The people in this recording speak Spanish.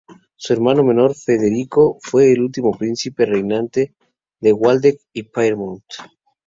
Su hermano menor, Federico, fue el último príncipe reinante de Waldeck y Pyrmont.